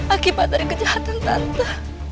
akibat dari kejahatan tante